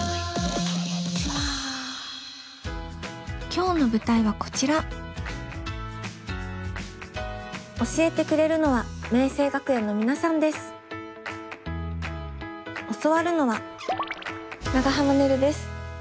今日の舞台はこちら教えてくれるのは教わるのは長濱ねるです。